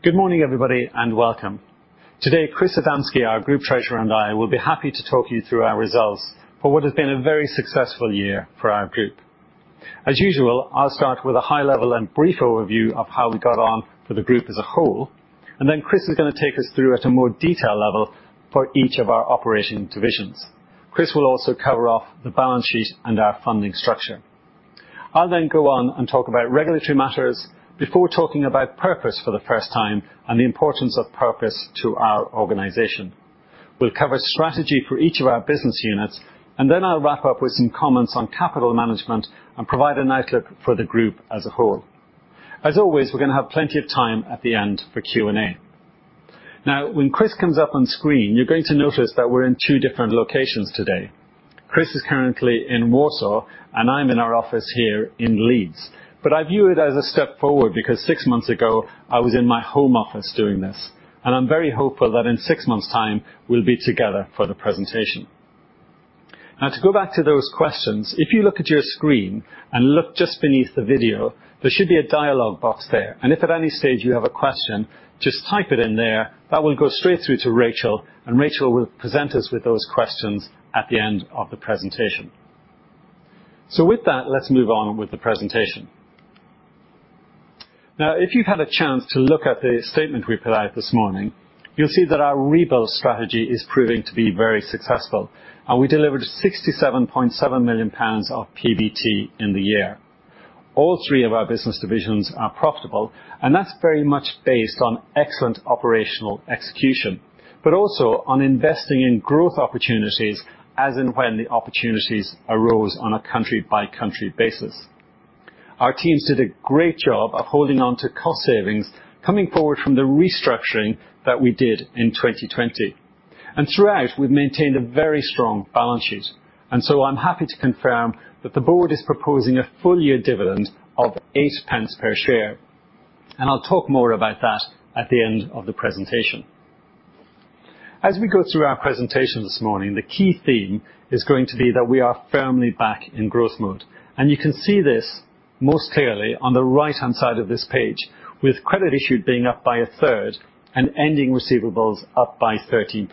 Good morning, everybody, and welcome. Today, Krzysztof Adamski, our Group Treasurer, and I will be happy to talk you through our results for what has been a very successful year for our group. As usual, I'll start with a high level and brief overview of how we got on for the group as a whole, and then Chris is gonna take us through at a more detail level for each of our operating divisions. Chris will also cover off the balance sheet and our funding structure. I'll then go on and talk about regulatory matters before talking about purpose for the first time and the importance of purpose to our organization. We'll cover strategy for each of our business units, and then I'll wrap up with some comments on capital management and provide an outlook for the group as a whole. As always, we're gonna have plenty of time at the end for Q&A. Now, when Chris comes up on screen, you're going to notice that we're in two different locations today. Krzysztof is currently in Warsaw, and I'm in our office here in Leeds. I view it as a step forward because six months ago, I was in my home office doing this. I'm very hopeful that in six months' time we'll be together for the presentation. Now to go back to those questions, if you look at your screen and look just beneath the video, there should be a dialog box there. If at any stage you have a question, just type it in there. That will go straight through to Rachel, and Rachel will present us with those questions at the end of the presentation. With that, let's move on with the presentation. Now, if you've had a chance to look at the statement we put out this morning, you'll see that our Rebuild strategy is proving to be very successful. We delivered 67.7 million pounds of PBT in the year. All three of our business divisions are profitable, and that's very much based on excellent operational execution, but also on investing in growth opportunities as and when the opportunities arose on a country-by-country basis. Our teams did a great job of holding on to cost savings coming forward from the restructuring that we did in 2020. Throughout, we've maintained a very strong balance sheet. I'm happy to confirm that the board is proposing a full year dividend of 0.08 per share. I'll talk more about that at the end of the presentation. As we go through our presentation this morning, the key theme is going to be that we are firmly back in growth mode. You can see this most clearly on the right-hand side of this page with credit issued being up by a third and ending receivables up by 13%.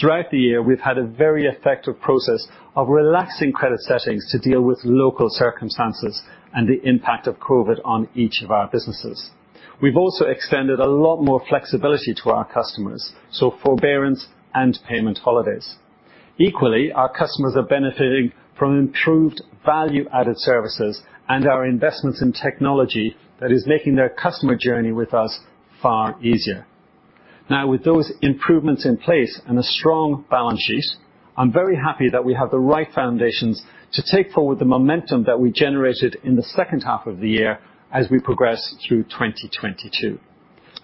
Throughout the year, we've had a very effective process of relaxing credit settings to deal with local circumstances and the impact of COVID on each of our businesses. We've also extended a lot more flexibility to our customers, so forbearance and payment holidays. Equally, our customers are benefiting from improved value-added services and our investments in technology that is making their customer journey with us far easier. Now, with those improvements in place and a strong balance sheet, I'm very happy that we have the right foundations to take forward the momentum that we generated in the second half of the year as we progress through 2022.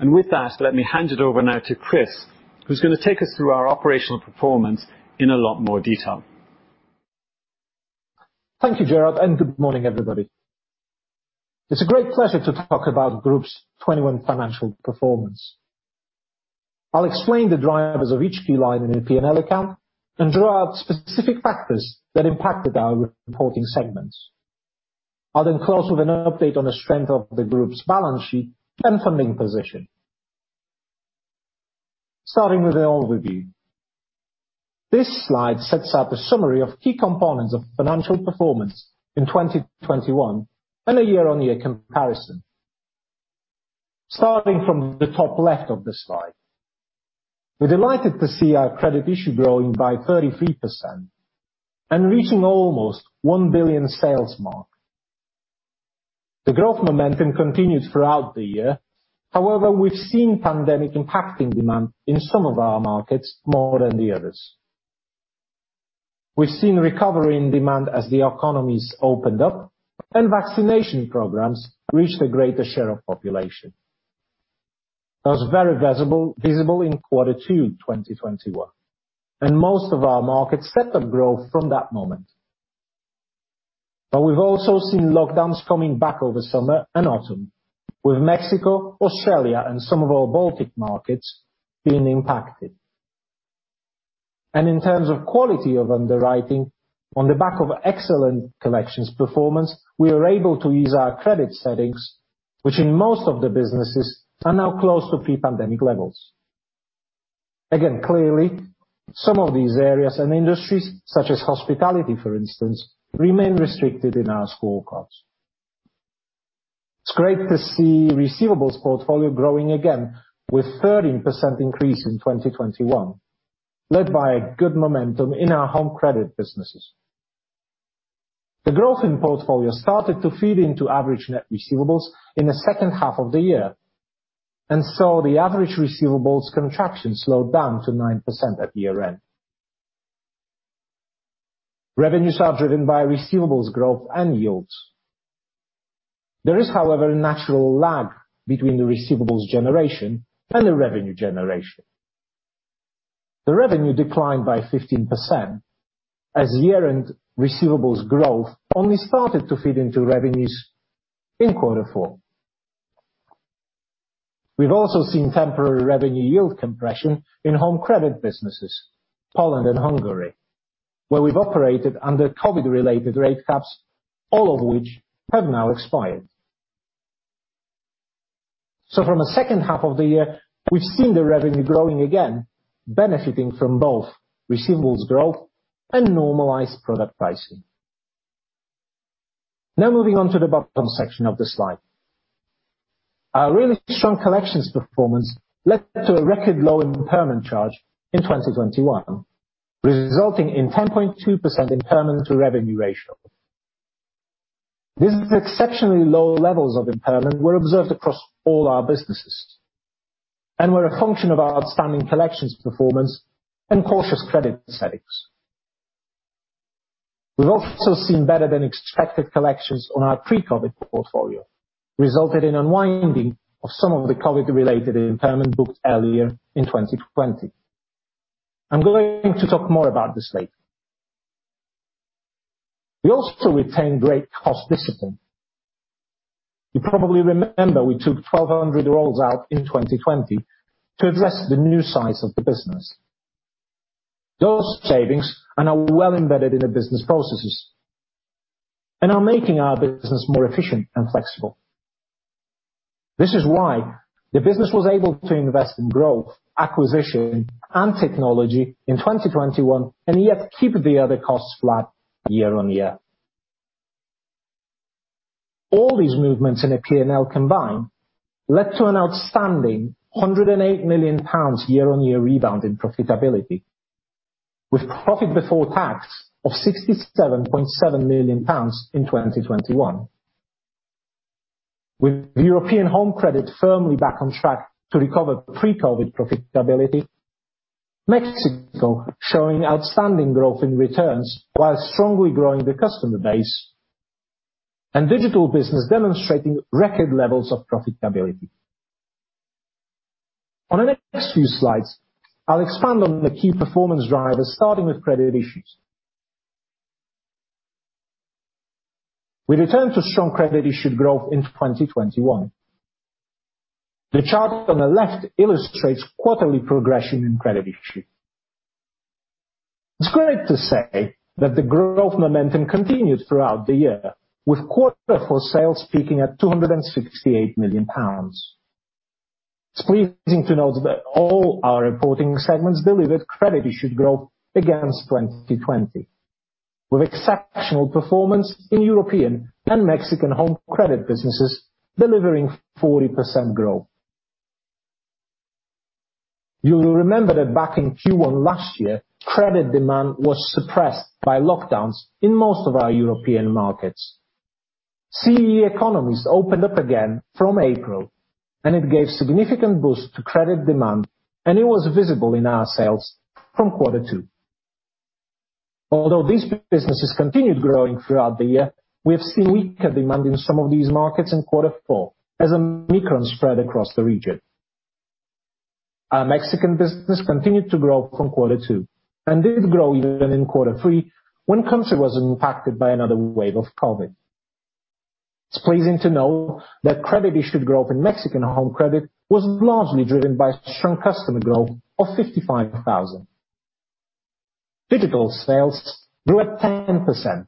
With that, let me hand it over now to Chris, who's gonna take us through our operational performance in a lot more detail. Thank you, Gerard, and good morning, everybody. It's a great pleasure to talk about the group's 2021 financial performance. I'll explain the drivers of each key line in the P&L account and draw out specific factors that impacted our reporting segments. I'll then close with an update on the strength of the group's balance sheet and funding position. Starting with the overview. This slide sets out the summary of key components of financial performance in 2021 and a year-on-year comparison. Starting from the top left of the slide, we're delighted to see our credit issued growing by 33% and reaching almost 1 billion sales mark. The growth momentum continued throughout the year. However, we've seen pandemic impacting demand in some of our markets more than the others. We've seen recovery in demand as the economies opened up and vaccination programs reached a greater share of population. That was very visible in quarter two, 2021, and most of our markets stepped up growth from that moment. We've also seen lockdowns coming back over summer and autumn, with Mexico, Australia and some of our Baltic markets being impacted. In terms of quality of underwriting, on the back of excellent collections performance, we were able to ease our credit settings, which in most of the businesses are now close to pre-pandemic levels. Again, clearly, some of these areas and industries, such as hospitality, for instance, remain restricted in our scorecards. It's great to see receivables portfolio growing again with 13% increase in 2021, led by good momentum in our home credit businesses. The growth in portfolio started to feed into average net receivables in the second half of the year and saw the average receivables contraction slowed down to 9% at year-end. Revenues are driven by receivables growth and yields. There is, however, a natural lag between the receivables generation and the revenue generation. The revenue declined by 15% as year-end receivables growth only started to feed into revenues in quarter four. We've also seen temporary revenue yield compression in home credit businesses, Poland and Hungary, where we've operated under COVID-related rate caps, all of which have now expired. From the second half of the year, we've seen the revenue growing again, benefiting from both receivables growth and normalized product pricing. Now moving on to the bottom section of the slide. Our really strong collections performance led to a record low impairment charge in 2021, resulting in 10.2% impairment to revenue ratio. These exceptionally low levels of impairment were observed across all our businesses and were a function of our outstanding collections performance and cautious credit settings. We've also seen better than expected collections on our pre-COVID portfolio, resulting in unwinding of some of the COVID related impairment booked earlier in 2020. I'm going to talk more about this later. We also retained great cost discipline. You probably remember we took 1,200 roles out in 2020 to address the new size of the business. Those savings are now well embedded in the business processes and are making our business more efficient and flexible. This is why the business was able to invest in growth, acquisition and technology in 2021 and yet keep the other costs flat year-on-year. All these movements in the P&L combined led to an outstanding 108 million pounds year-on-year rebound in profitability, with profit before tax of 67.7 million pounds in 2021, with European Home Credit firmly back on track to recover pre-COVID profitability, Mexico showing outstanding growth in returns while strongly growing the customer base and digital business demonstrating record levels of profitability. On the next few slides, I'll expand on the key performance drivers, starting with credit issuance. We returned to strong credit issuance growth in 2021. The chart on the left illustrates quarterly progression in credit issuance. It's great to see that the growth momentum continued throughout the year, with quarter four sales peaking at 268 million pounds. It's pleasing to note that all our reporting segments delivered credit issued growth against 2020, with exceptional performance in European Home Credit and Mexico Home Credit businesses delivering 40% growth. You will remember that back in Q1 last year, credit demand was suppressed by lockdowns in most of our European markets. CEE economies opened up again from April, and it gave significant boost to credit demand, and it was visible in our sales from quarter two. Although these businesses continued growing throughout the year, we have seen weaker demand in some of these markets in quarter four as Omicron spread across the region. Our Mexican business continued to grow from quarter two and did grow even in quarter three when country was impacted by another wave of COVID. It's pleasing to know that credit issued growth in Mexico Home Credit was largely driven by strong customer growth of 55,000. Digital sales grew at 10%.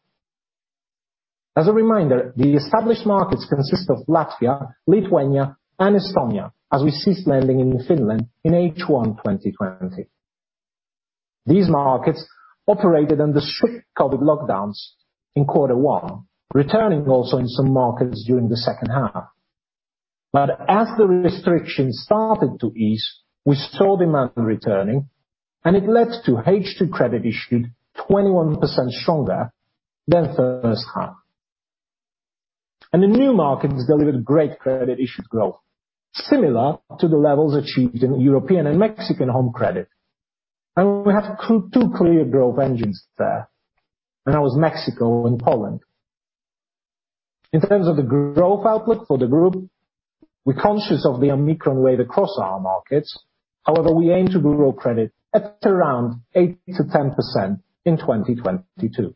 As a reminder, the established markets consist of Latvia, Lithuania and Estonia, as we ceased lending in Finland in H1 2020. These markets operated under strict COVID lockdowns in quarter one, with restrictions returning also in some markets during the second half. As the restrictions started to ease, we saw demand returning, and it led to H2 credit issued 21% stronger than first half. The new markets delivered great credit issued growth, similar to the levels achieved in European Home Credit and Mexico Home Credit. We have two clear growth engines there, and that was Mexico and Poland. In terms of the growth outlook for the group, we're conscious of the Omicron wave across our markets. However, we aim to grow credit at around 8% to 10% in 2022.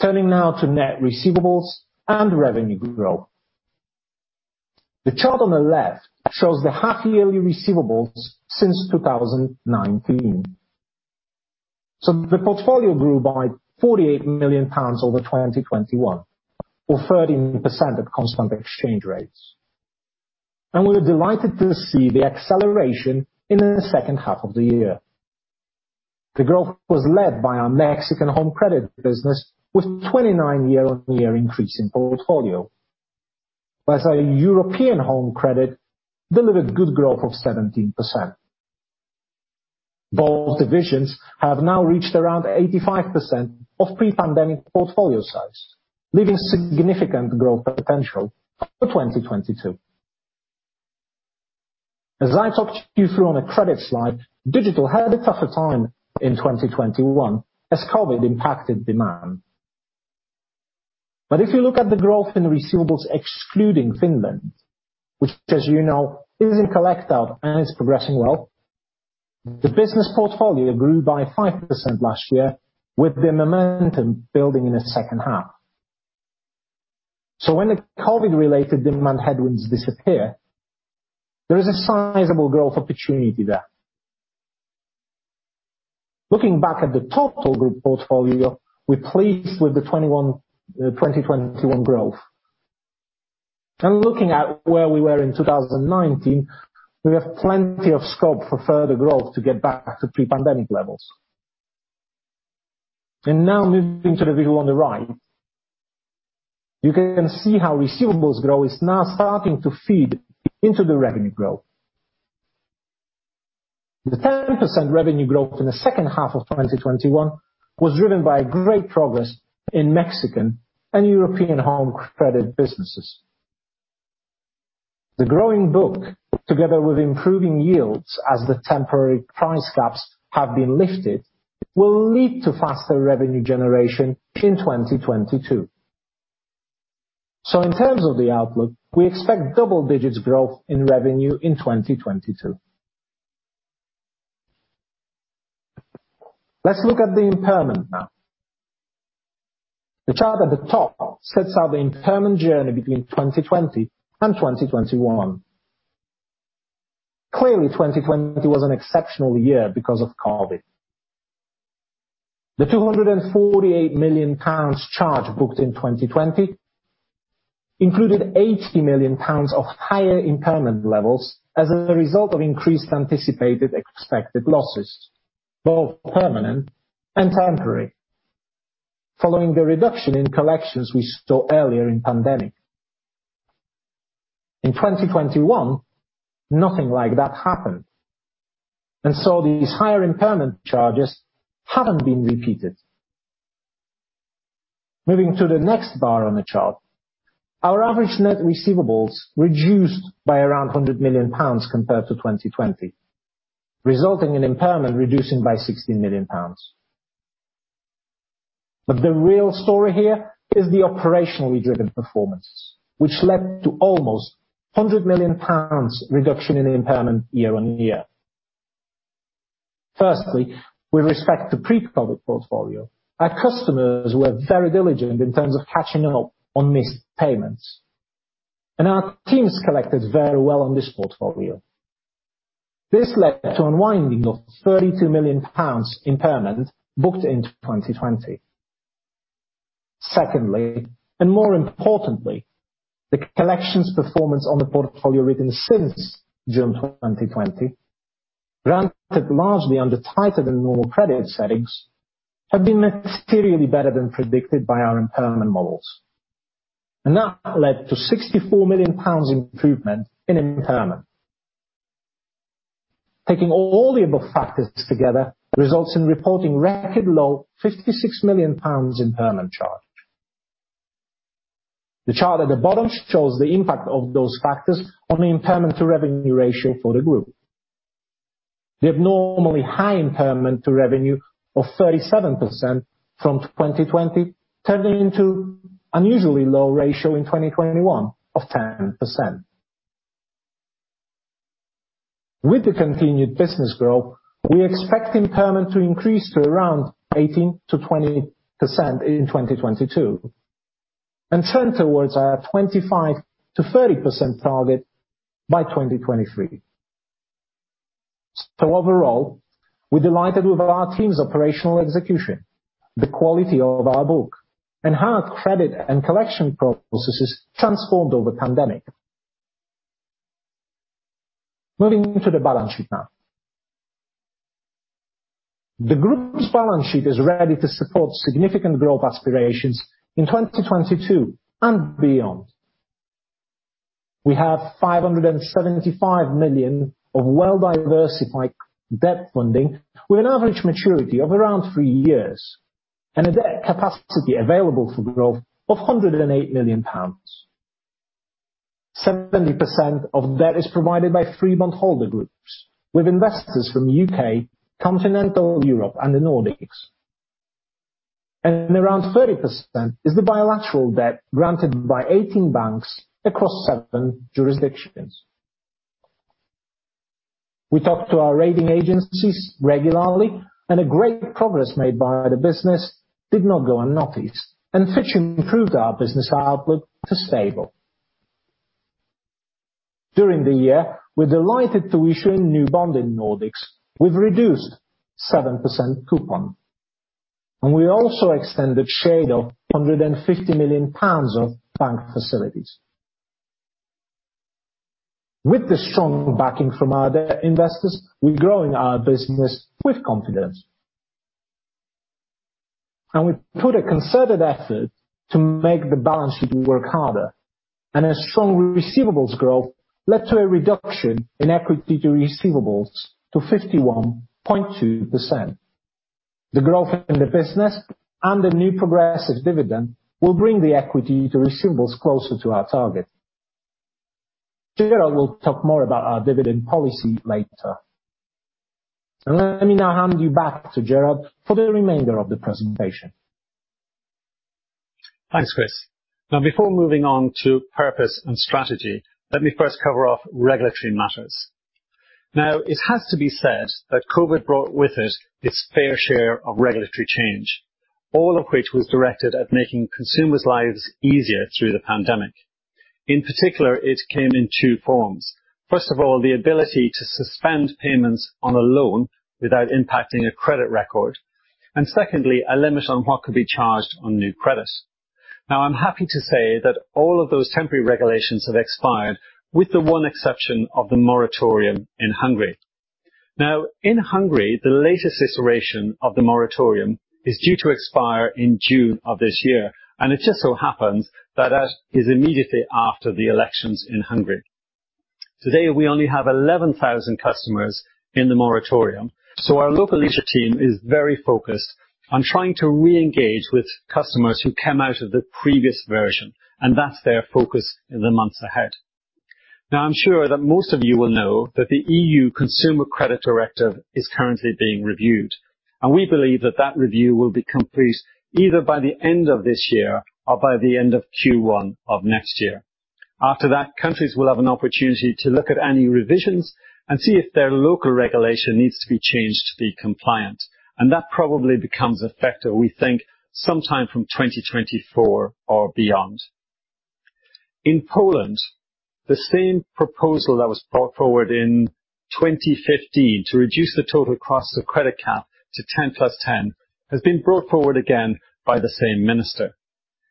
Turning now to net receivables and revenue growth. The chart on the left shows the half-yearly receivables since 2019. The portfolio grew by 48 million pounds over 2021 or 13% at constant exchange rates. We are delighted to see the acceleration in the second half of the year. The growth was led by our Mexico Home Credit business with 29% year-on-year increase in portfolio. Whereas our European Home Credit delivered good growth of 17%. Both divisions have now reached around 85% of pre-pandemic portfolio size, leaving significant growth potential for 2022. As I talked you through on the credit slide, digital had a tougher time in 2021 as COVID impacted demand. If you look at the growth in receivables excluding Finland, which as you know is in collect out and is progressing well, the business portfolio grew by 5% last year with the momentum building in the second half. When the COVID related demand headwinds disappear, there is a sizable growth opportunity there. Looking back at the total group portfolio, we're pleased with the 2021 growth. Looking at where we were in 2019, we have plenty of scope for further growth to get back to pre-pandemic levels. Now moving to the view on the right, you can see how receivables growth is now starting to feed into the revenue growth. The 10% revenue growth in the second half of 2021 was driven by great progress in Mexican and European Home Credit businesses. The growing book, together with improving yields as the temporary price caps have been lifted, will lead to faster revenue generation in 2022. In terms of the outlook, we expect double-digit growth in revenue in 2022. Let's look at the impairment now. The chart at the top sets out the impairment journey between 2020 and 2021. Clearly, 2020 was an exceptional year because of COVID. The 248 million pounds charge booked in 2020 included 80 million pounds of higher impairment levels as a result of increased anticipated expected losses, both permanent and temporary, following the reduction in collections we saw earlier in pandemic. In 2021, nothing like that happened, and these higher impairment charges haven't been repeated. Moving to the next bar on the chart, our average net receivables reduced by around 100 million pounds compared to 2020, resulting in impairment reducing by 60 million pounds. The real story here is the operationally driven performance, which led to almost 100 million pounds reduction in impairment year-on-year. Firstly, with respect to pre-COVID portfolio. Our customers were very diligent in terms of catching up on missed payments, and our teams collected very well on this portfolio. This led to unwinding of 32 million pounds impairment booked in 2020. Secondly, and more importantly, the collections performance on the portfolio written since June 2020, granted largely under tighter than normal credit settings, have been materially better than predicted by our impairment models. That led to 64 million pounds improvement in impairment. Taking all the above factors together results in reporting record low 56 million pounds impairment charge. The chart at the bottom shows the impact of those factors on the impairment to revenue ratio for the group. The abnormally high impairment to revenue ratio of 37% from 2020 turning into unusually low ratio in 2021 of 10%. With the continued business growth, we expect impairment to increase to around 18% to 20% in 2022, and trend towards our 25% to 30% target by 2023. Overall, we're delighted with our team's operational execution, the quality of our book, and how our credit and collection processes transformed over pandemic. Moving into the balance sheet now. The group's balance sheet is ready to support significant growth aspirations in 2022 and beyond. We have 575 million of well-diversified debt funding with an average maturity of around three years and a debt capacity available for growth of 108 million pounds. 70% of debt is provided by three bondholder groups with investors from U.K., continental Europe and the Nordics. Around 30% is the bilateral debt granted by 18 banks across seven jurisdictions. We talk to our rating agencies regularly, and the great progress made by the business did not go unnoticed, and Fitch improved our business outlook to stable. During the year, we're delighted to issue a new bond in Nordics with reduced 7% coupon, and we also repaid 150 million pounds of bank facilities. With the strong backing from our debt investors, we're growing our business with confidence. We put a concerted effort to make the balance sheet work harder, and a strong receivables growth led to a reduction in equity to receivables to 51.2%. The growth in the business and the new progressive dividend will bring the equity to receivables closer to our target. Gerard will talk more about our dividend policy later. Let me now hand you back to Gerard for the remainder of the presentation. Thanks, Chris. Now, before moving on to purpose and strategy, let me first cover off regulatory matters. Now it has to be said that COVID brought with it its fair share of regulatory change, all of which was directed at making consumers' lives easier through the pandemic. In particular, it came in two forms. First of all, the ability to suspend payments on a loan without impacting a credit record, and secondly, a limit on what could be charged on new credit. Now, I'm happy to say that all of those temporary regulations have expired, with the one exception of the moratorium in Hungary. Now, in Hungary, the latest iteration of the moratorium is due to expire in June of this year, and it just so happens that that is immediately after the elections in Hungary. Today, we only have 11,000 customers in the moratorium, so our local leadership team is very focused on trying to re-engage with customers who come out of the previous version, and that's their focus in the months ahead. Now, I'm sure that most of you will know that the EU Consumer Credit Directive is currently being reviewed, and we believe that that review will be complete either by the end of this year or by the end of Q1 of next year. After that, countries will have an opportunity to look at any revisions and see if their local regulation needs to be changed to be compliant. That probably becomes effective, we think, sometime from 2024 or beyond. In Poland, the same proposal that was brought forward in 2015 to reduce the total cost of credit cap to 10 plus 10 has been brought forward again by the same minister.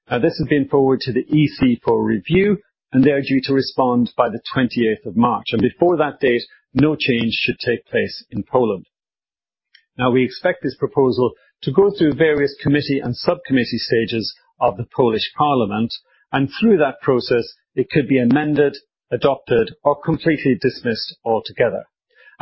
Now, this has been forwarded to the EC for review, and they are due to respond by the 28 of March. Before that date, no change should take place in Poland. Now, we expect this proposal to go through various committee and subcommittee stages of the Polish parliament, and through that process, it could be amended, adopted, or completely dismissed altogether.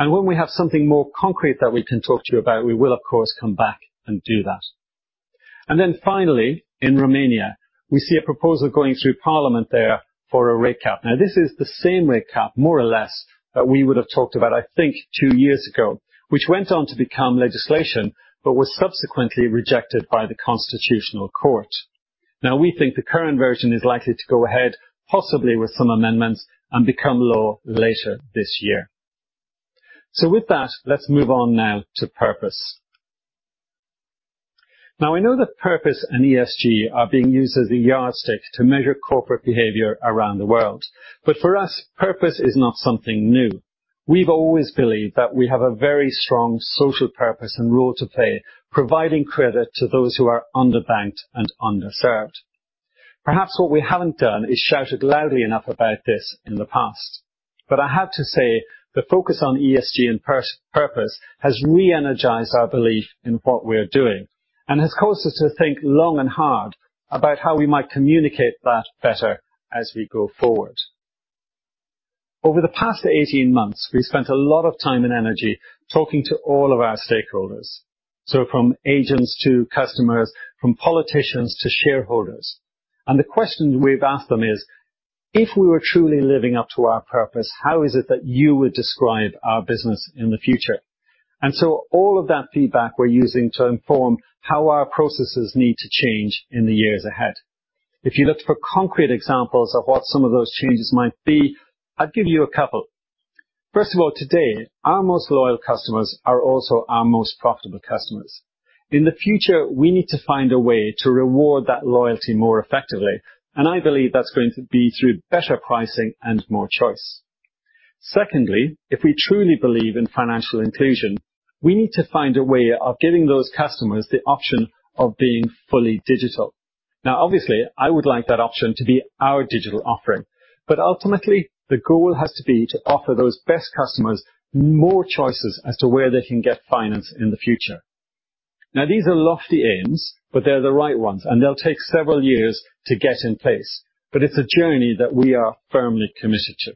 When we have something more concrete that we can talk to you about, we will, of course, come back and do that. Finally, in Romania, we see a proposal going through parliament there for a rate cap. Now, this is the same rate cap, more or less, that we would have talked about, I think two years ago, which went on to become legislation, but was subsequently rejected by the Constitutional Court. Now we think the current version is likely to go ahead, possibly with some amendments and become law later this year. With that, let's move on now to purpose. Now we know that purpose and ESG are being used as a yardstick to measure corporate behavior around the world. For us, purpose is not something new. We've always believed that we have a very strong social purpose and role to play providing credit to those who are underbanked and underserved. Perhaps what we haven't done is shouted loudly enough about this in the past. I have to say the focus on ESG and purpose has re-energized our belief in what we are doing and has caused us to think long and hard about how we might communicate that better as we go forward. Over the past 18 months, we've spent a lot of time and energy talking to all of our stakeholders. From agents to customers, from politicians to shareholders. The question we've asked them is: If we were truly living up to our purpose, how is it that you would describe our business in the future? All of that feedback we're using to inform how our processes need to change in the years ahead. If you looked for concrete examples of what some of those changes might be, I'd give you a couple. First of all, today, our most loyal customers are also our most profitable customers. In the future, we need to find a way to reward that loyalty more effectively, and I believe that's going to be through better pricing and more choice. Secondly, if we truly believe in financial inclusion, we need to find a way of giving those customers the option of being fully digital. Now, obviously, I would like that option to be our digital offering, but ultimately the goal has to be to offer those best customers more choices as to where they can get finance in the future. Now, these are lofty aims, but they're the right ones and they'll take several years to get in place. But it's a journey that we are firmly committed to.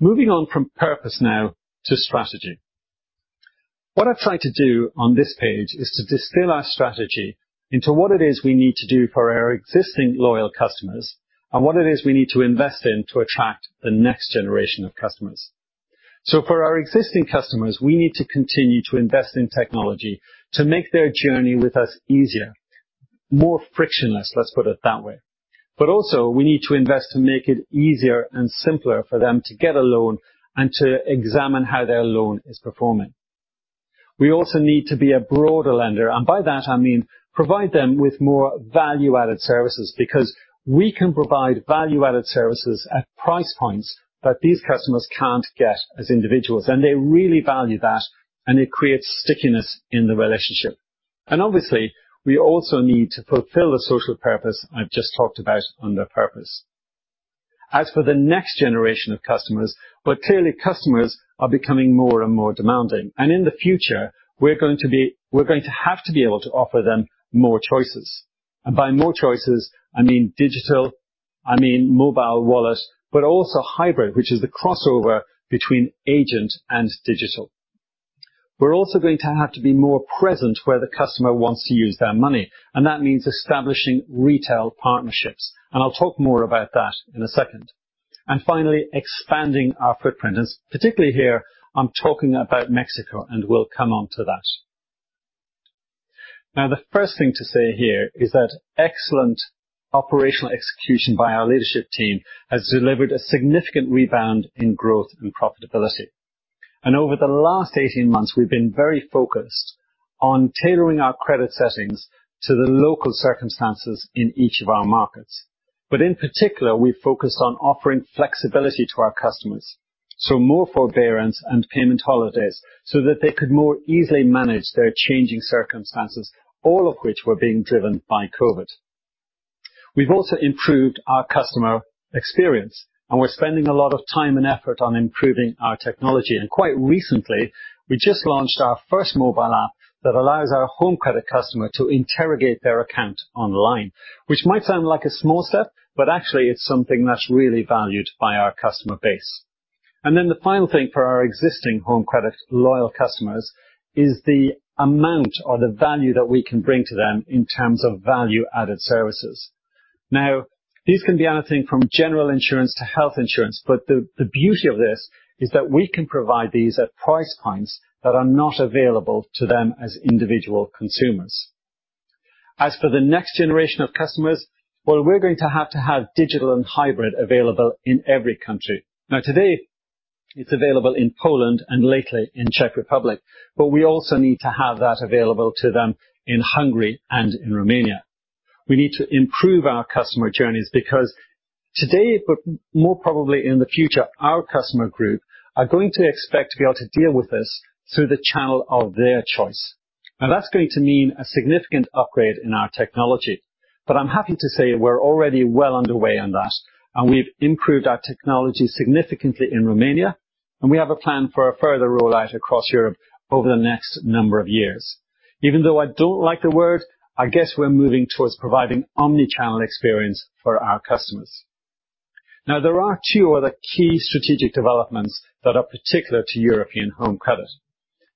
Moving on from purpose now to strategy. What I've tried to do on this page is to distill our strategy into what it is we need to do for our existing loyal customers and what it is we need to invest in to attract the next generation of customers. For our existing customers, we need to continue to invest in technology to make their journey with us easier, more frictionless, let's put it that way. Also we need to invest to make it easier and simpler for them to get a loan and to examine how their loan is performing. We also need to be a broader lender, and by that I mean provide them with more value-added services, because we can provide value-added services at price points that these customers can't get as individuals, and they really value that and it creates stickiness in the relationship. Obviously we also need to fulfill the social purpose I've just talked about under purpose. As for the next generation of customers, well, clearly customers are becoming more and more demanding, and in the future we're going to have to be able to offer them more choices. By more choices, I mean digital, I mean Mobile Wallet, but also hybrid, which is the crossover between agent and digital. We're also going to have to be more present where the customer wants to use their money, and that means establishing retail partnerships, and I'll talk more about that in a second, finally expanding our footprint. Particularly here, I'm talking about Mexico, and we'll come on to that. Now, the first thing to say here is that excellent operational execution by our leadership team has delivered a significant rebound in growth and profitability. Over the last 18 months, we've been very focused on tailoring our credit settings to the local circumstances in each of our markets. In particular, we focused on offering flexibility to our customers, so more forbearance and payment holidays so that they could more easily manage their changing circumstances, all of which were being driven by COVID. We've also improved our customer experience, and we're spending a lot of time and effort on improving our technology. Quite recently, we just launched our first mobile app that allows our home credit customer to interrogate their account online. Which might sound like a small step, but actually it's something that's really valued by our customer base. Then the final thing for our existing home credit loyal customers is the amount or the value that we can bring to them in terms of value-added services. These can be anything from general insurance to health insurance, but the beauty of this is that we can provide these at price points that are not available to them as individual consumers. As for the next generation of customers, well we're going to have to have digital and hybrid available in every country. Today, it's available in Poland and lately in Czech Republic, but we also need to have that available to them in Hungary and in Romania. We need to improve our customer journeys because today, but more probably in the future, our customer group are going to expect to be able to deal with this through the channel of their choice. That's going to mean a significant upgrade in our technology. I'm happy to say we're already well underway on that, and we've improved our technology significantly in Romania, and we have a plan for a further rollout across Europe over the next number of years. Even though I don't like the word, I guess we're moving towards providing omni-channel experience for our customers. Now, there are two other key strategic developments that are particular to European Home Credit.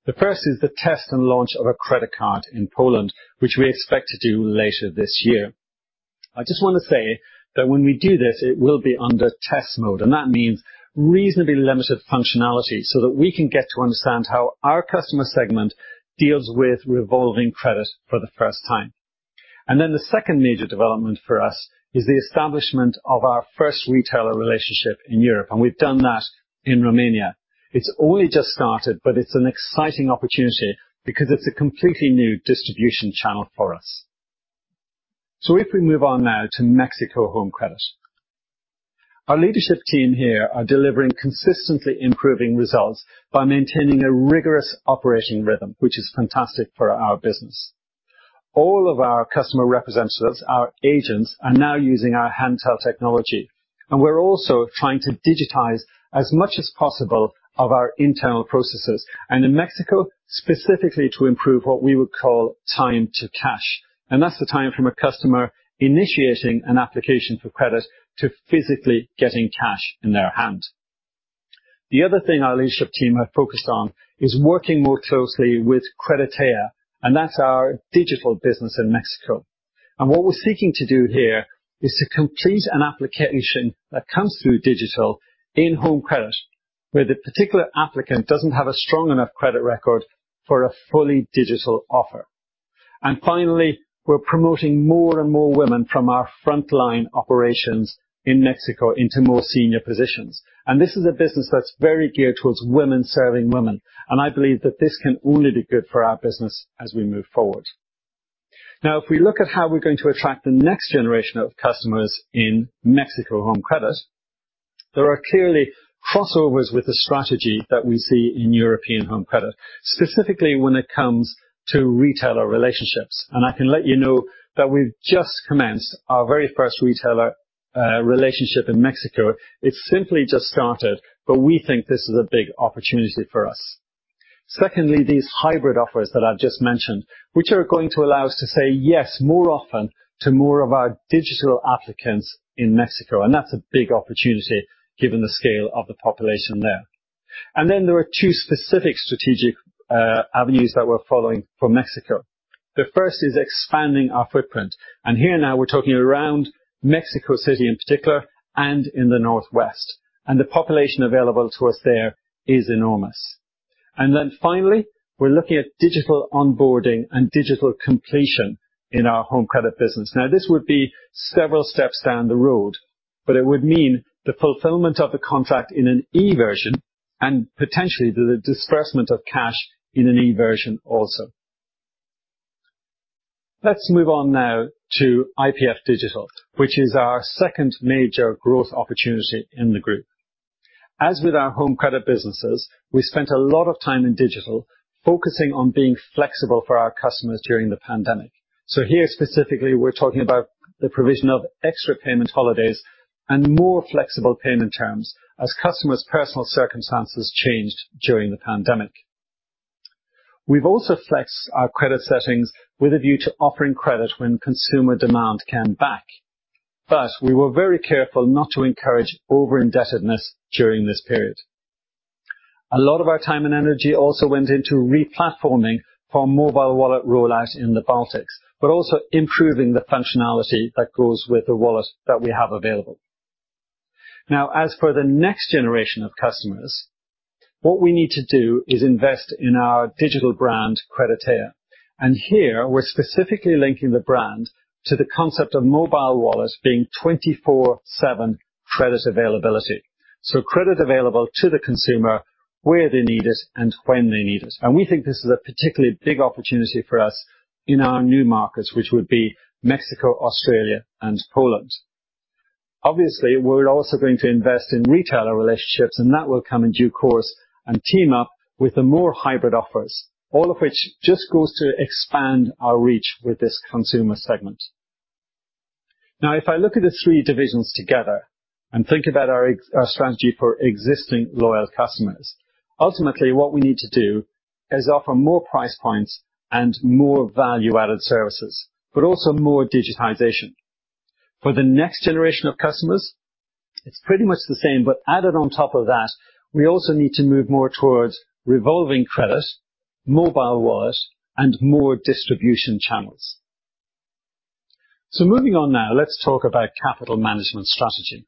The first is the test and launch of a credit card in Poland, which we expect to do later this year. I just wanna say that when we do this, it will be under test mode, and that means reasonably limited functionality so that we can get to understand how our customer segment deals with revolving credit for the first time. Then the second major development for us is the establishment of our first retailer relationship in Europe, and we've done that in Romania. It's only just started, but it's an exciting opportunity because it's a completely new distribution channel for us. If we move on now to Mexico Home Credit. Our leadership team here are delivering consistently improving results by maintaining a rigorous operating rhythm, which is fantastic for our business. All of our customer representatives, our agents, are now using our hand-held technology, and we're also trying to digitize as much as possible of our internal processes, and in Mexico, specifically to improve what we would call time to cash. That's the time from a customer initiating an application for credit to physically getting cash in their hand. The other thing our leadership team have focused on is working more closely with Creditea, and that's our digital business in Mexico. What we're seeking to do here is to complete an application that comes through digital in Home Credit, where the particular applicant doesn't have a strong enough credit record for a fully digital offer. Finally, we're promoting more and more women from our frontline operations in Mexico into more senior positions. This is a business that's very geared towards women serving women, and I believe that this can only be good for our business as we move forward. Now, if we look at how we're going to attract the next generation of customers in Mexico Home Credit, there are clearly crossovers with the strategy that we see in European Home Credit, specifically when it comes to retailer relationships. I can let you know that we've just commenced our very first retailer relationship in Mexico. It's simply just started, but we think this is a big opportunity for us. Secondly, these hybrid offers that I've just mentioned, which are going to allow us to say yes more often to more of our digital applicants in Mexico. That's a big opportunity given the scale of the population there. Then there are two specific strategic avenues that we're following for Mexico. The first is expanding our footprint. Here now we're talking around Mexico City in particular and in the Northwest. The population available to us there is enormous. Then finally, we're looking at digital onboarding and digital completion in our home credit business. Now, this would be several steps down the road, but it would mean the fulfillment of the contract in an e-version and potentially the disbursement of cash in an e-version also. Let's move on now to IPF Digital, which is our second major growth opportunity in the group. As with our home credit businesses, we spent a lot of time in digital focusing on being flexible for our customers during the pandemic. Here specifically, we're talking about the provision of extra payment holidays and more flexible payment terms as customers' personal circumstances changed during the pandemic. We've also flexed our credit settings with a view to offering credit when consumer demand came back. We were very careful not to encourage over-indebtedness during this period. A lot of our time and energy also went into replatforming for Mobile Wallet rollout in the Baltics, but also improving the functionality that goes with the wallet that we have available. Now, as for the next generation of customers, what we need to do is invest in our digital brand Creditea. Here we're specifically linking the brand to the concept of mobile wallets being 24/7 credit availability. Credit available to the consumer where they need it and when they need it. We think this is a particularly big opportunity for us in our new markets, which would be Mexico, Australia and Poland. Obviously, we're also going to invest in retailer relationships and that will come in due course and team up with the more hybrid offers, all of which just goes to expand our reach with this consumer segment. Now, if I look at the three divisions together and think about our strategy for existing loyal customers, ultimately what we need to do is offer more price points and more value-added services, but also more digitization. For the next generation of customers, it's pretty much the same. Added on top of that, we also need to move more towards revolving credit, mobile wallet, and more distribution channels. Moving on now, let's talk about capital management strategy.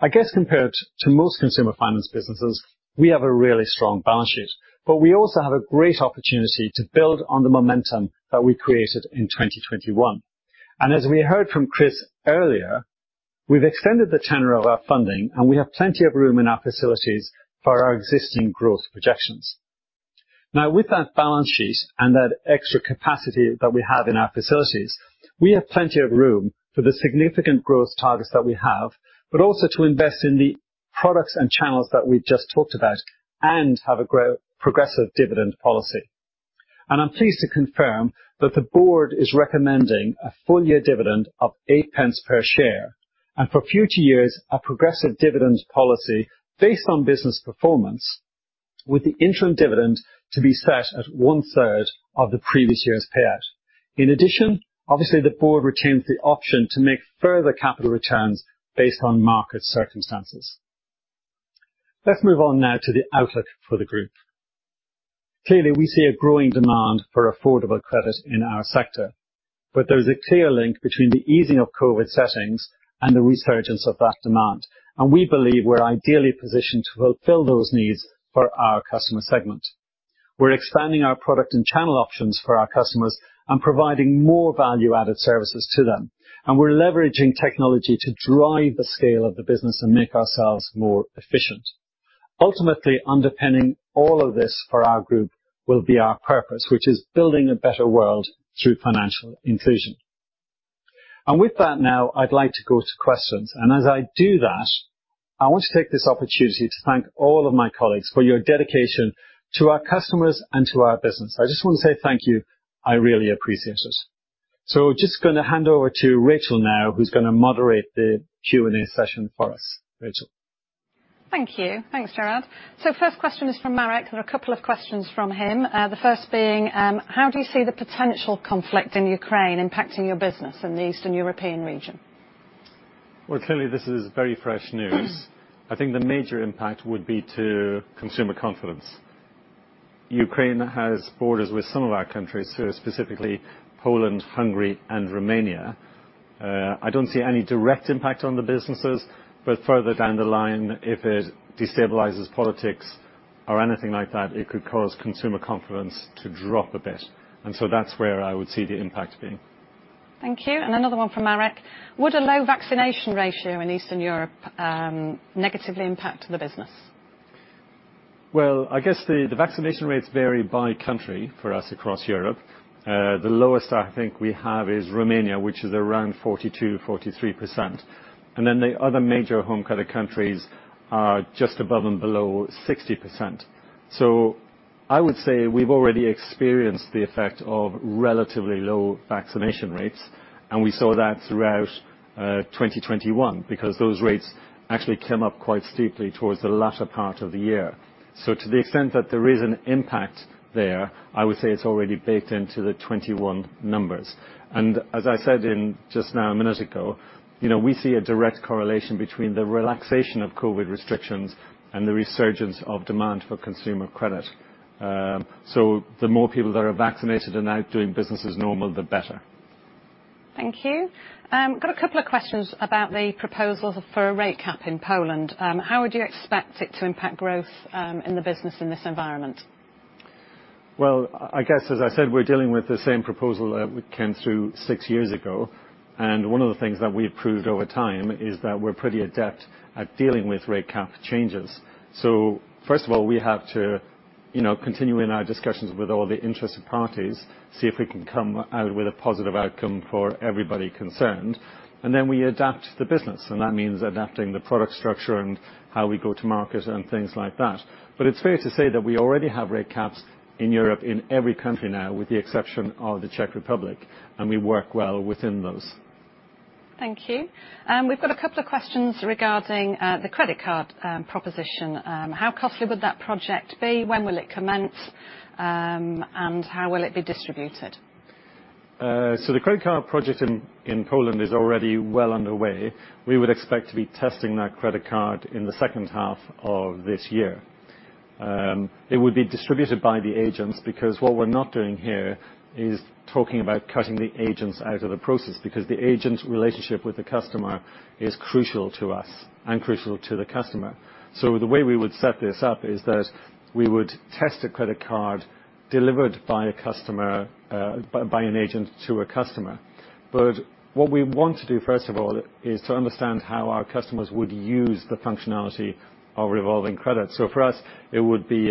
I guess compared to most consumer finance businesses, we have a really strong balance sheet, but we also have a great opportunity to build on the momentum that we created in 2021. As we heard from Chris earlier, we've extended the tenor of our funding, and we have plenty of room in our facilities for our existing growth projections. Now, with that balance sheet and that extra capacity that we have in our facilities, we have plenty of room for the significant growth targets that we have, but also to invest in the products and channels that we've just talked about and have a progressive dividend policy. I'm pleased to confirm that the board is recommending a full year dividend of eight pence per share and for future years, a progressive dividend policy based on business performance, with the interim dividend to be set at one third of the previous year's payout. In addition, obviously, the board retains the option to make further capital returns based on market circumstances. Let's move on now to the outlook for the group. Clearly, we see a growing demand for affordable credit in our sector, but there is a clear link between the easing of COVID restrictions and the resurgence of that demand, and we believe we're ideally positioned to fulfill those needs for our customer segment. We're expanding our product and channel options for our customers and providing more value-added services to them. We're leveraging technology to drive the scale of the business and make ourselves more efficient. Ultimately, underpinning all of this for our group will be our purpose, which is building a better world through financial inclusion. With that, now I'd like to go to questions. As I do that, I want to take this opportunity to thank all of my colleagues for your dedication to our customers and to our business. I just want to say thank you. I really appreciate it. Just gonna hand over to Rachel now who's gonna moderate the Q&A session for us. Rachel. Thank you. Thanks, Gerard. First question is from Marek. There are a couple of questions from him. The first being, how do you see the potential conflict in Ukraine impacting your business in the Eastern European region? Well, clearly this is very fresh news. I think the major impact would be to consumer confidence. Ukraine has borders with some of our countries, so specifically Poland, Hungary and Romania. I don't see any direct impact on the businesses, but further down the line, if it destabilizes politics or anything like that, it could cause consumer confidence to drop a bit. That's where I would see the impact being. Thank you. Another one from Marek. Would a low vaccination rate in Eastern Europe negatively impact the business? Well, I guess the vaccination rates vary by country for us across Europe. The lowest I think we have is Romania, which is around 42%-43%, and then the other major home credit countries are just above and below 60%. I would say we've already experienced the effect of relatively low vaccination rates, and we saw that throughout 2021, because those rates actually came up quite steeply towards the latter part of the year. To the extent that there is an impact there, I would say it's already baked into the 2021 numbers. As I said in just now a minute ago, you know, we see a direct correlation between the relaxation of COVID restrictions and the resurgence of demand for consumer credit. The more people that are vaccinated and out doing business as normal, the better. Thank you. Got a couple of questions about the proposals for a rate cap in Poland. How would you expect it to impact growth, in the business in this environment? Well, I guess as I said, we're dealing with the same proposal that we came through six years ago. One of the things that we've proved over time is that we're pretty adept at dealing with rate cap changes. First of all, we have to, you know, continue in our discussions with all the interested parties, see if we can come out with a positive outcome for everybody concerned. Then we adapt the business. That means adapting the product structure and how we go to market and things like that. It's fair to say that we already have rate caps in Europe in every country now, with the exception of the Czech Republic, and we work well within those. Thank you. We've got a couple of questions regarding the credit card proposition. How costly would that project be? When will it commence? How will it be distributed? The credit card project in Poland is already well underway. We would expect to be testing that credit card in the second half of this year. It would be distributed by the agents, because what we're not doing here is talking about cutting the agents out of the process. The agent's relationship with the customer is crucial to us and crucial to the customer. The way we would set this up is that we would test a credit card delivered by an agent to a customer. What we want to do first of all is to understand how our customers would use the functionality of revolving credit. For us, it would be.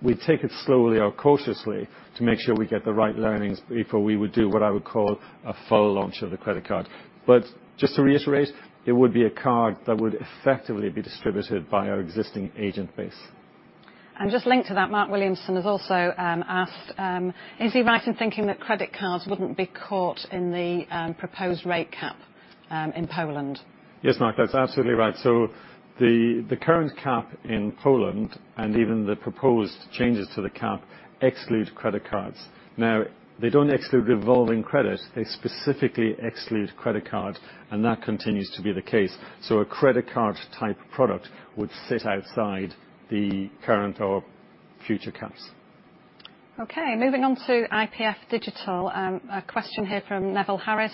We'd take it slowly or cautiously to make sure we get the right learnings before we would do what I would call a full launch of the credit card. Just to reiterate, it would be a card that would effectively be distributed by our existing agent base. Just linked to that, Mark Williamson has also asked, is he right in thinking that credit cards wouldn't be caught in the proposed rate cap in Poland? Yes, Mark, that's absolutely right. The current cap in Poland, and even the proposed changes to the cap exclude credit cards. Now, they don't exclude revolving credit. They specifically exclude credit card, and that continues to be the case. A credit card type product would sit outside the current or future caps. Okay, moving on to IPF Digital, a question here from Neville Harris.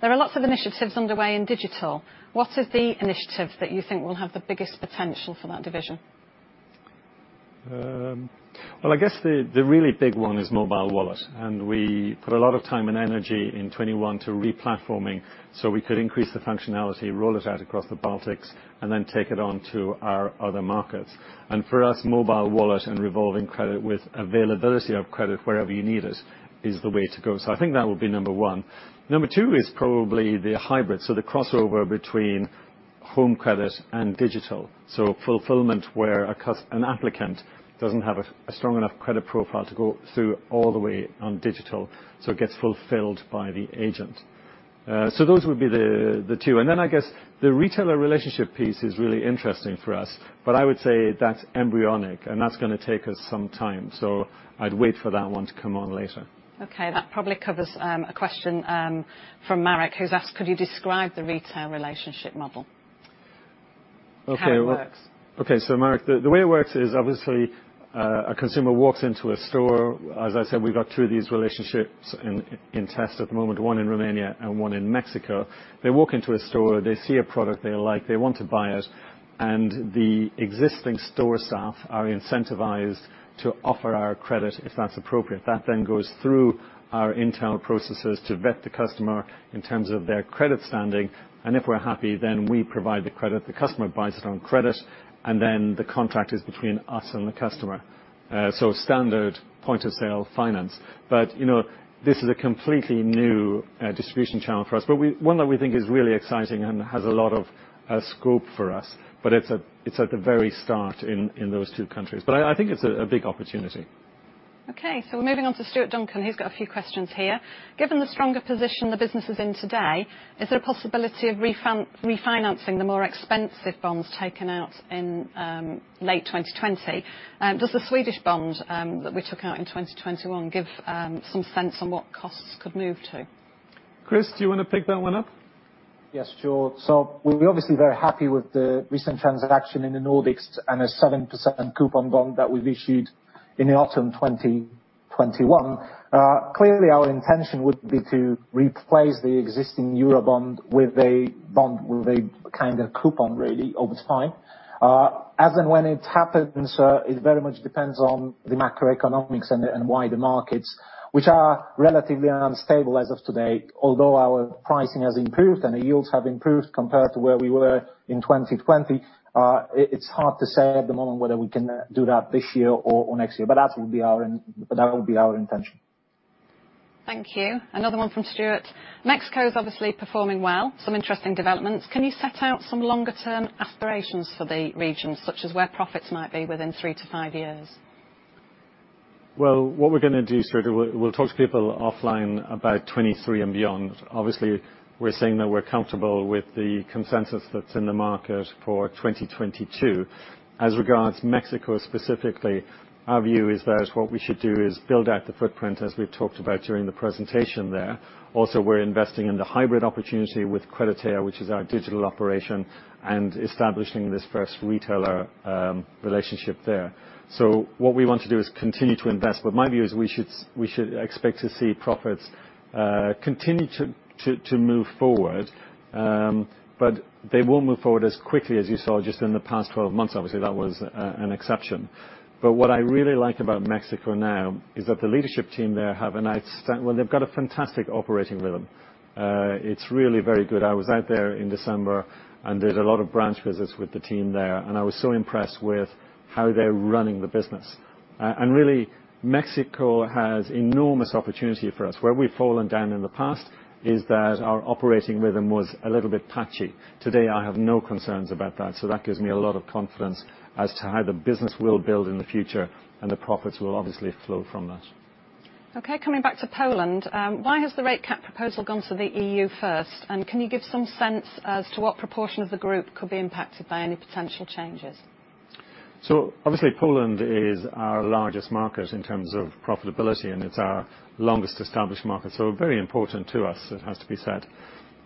There are lots of initiatives underway in digital. What are the initiatives that you think will have the biggest potential for that division? Well, I guess the really big one is Mobile Wallet. We put a lot of time and energy in 2021 to replatforming so we could increase the functionality, roll it out across the Baltics, and then take it on to our other markets. For us, Mobile Wallet and revolving credit with availability of credit wherever you need it is the way to go. I think that would be number one. Number two is probably the hybrid, so the crossover between home credit and digital. Fulfillment where an applicant doesn't have a strong enough credit profile to go through all the way on digital, so it gets fulfilled by the agent. Those would be the two. I guess the retailer relationship piece is really interesting for us. I would say that's embryonic, and that's gonna take us some time, so I'd wait for that one to come on later. Okay, that probably covers a question from Marek, who's asked, could you describe the retail relationship model? Okay. How it works. Okay. Marek, the way it works is obviously a consumer walks into a store. As I said, we've got two of these relationships in test at the moment, one in Romania and one in Mexico. They walk into a store, they see a product they like, they want to buy it, and the existing store staff are incentivized to offer our credit if that's appropriate. That then goes through our internal processes to vet the customer in terms of their credit standing, and if we're happy, then we provide the credit. The customer buys it on credit, and then the contract is between us and the customer. Standard point-of-sale finance. You know, this is a completely new distribution channel for us. One that we think is really exciting and has a lot of scope for us, but it's at the very start in those two countries. I think it's a big opportunity. Okay, we're moving on to Stuart Duncan, who's got a few questions here. Given the stronger position the business is in today, is there a possibility of refinancing the more expensive bonds taken out in late 2020? Does the Swedish bond that we took out in 2021 give some sense on what costs could move to? Chris, do you wanna pick that one up? Yes, sure. We're obviously very happy with the recent transaction in the Nordics and a 7% coupon bond that we've issued in autumn 2021. Clearly our intention would be to replace the existing euro bond with a bond with a kinder coupon really over time. As and when it happens, it very much depends on the macroeconomics and wider markets, which are relatively unstable as of today. Although our pricing has improved and the yields have improved compared to where we were in 2020, it's hard to say at the moment whether we can do that this year or next year. That would be our intention. Thank you. Another one from Stuart. Mexico's obviously performing well, some interesting developments. Can you set out some longer term aspirations for the region, such as where profits might be within 3-5 years? Well, what we're gonna do, Stuart, we'll talk to people offline about 2023 and beyond. Obviously, we're saying that we're comfortable with the consensus that's in the market for 2022. As regards Mexico specifically, our view is that what we should do is build out the footprint as we've talked about during the presentation there. Also, we're investing in the hybrid opportunity with Creditea, which is our digital operation, and establishing this first retailer relationship there. What we want to do is continue to invest. My view is we should expect to see profits continue to move forward. They won't move forward as quickly as you saw just in the past 12 months. Obviously, that was an exception. What I really like about Mexico now is that the leadership team there. Well, they've got a fantastic operating rhythm. It's really very good. I was out there in December, and did a lot of branch visits with the team there, and I was so impressed with how they're running the business. Really, Mexico has enormous opportunity for us. Where we've fallen down in the past is that our operating rhythm was a little bit patchy. Today, I have no concerns about that, so that gives me a lot of confidence as to how the business will build in the future, and the profits will obviously flow from that. Okay, coming back to Poland, why has the rate cap proposal gone to the EU first? Can you give some sense as to what proportion of the group could be impacted by any potential changes? Obviously Poland is our largest market in terms of profitability, and it's our longest established market, very important to us it has to be said.